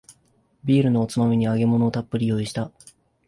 ビールのおつまみに揚げ物をたっぷり用意した